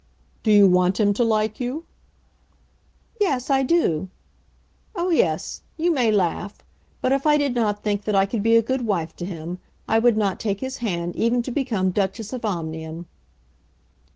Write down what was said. "Do you want him to like you?" "Yes, I do. Oh yes; you may laugh; but if I did not think that I could be a good wife to him I would not take his hand even to become Duchess of Omnium."